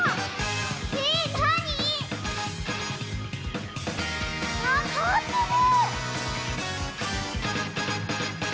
えなに⁉あかわってる！